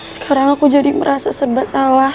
sekarang aku jadi merasa serba salah